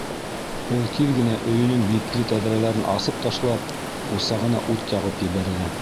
Ул тиҙ генә өйөнөң бикле тәҙрәләрен асып ташлап, усағына ут яғып ебәрҙе.